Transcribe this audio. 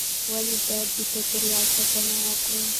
ولې باید د چاپیریال ساتنه وکړو؟